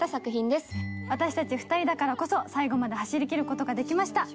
私たち２人だからこそ最後まで走り切る事ができました。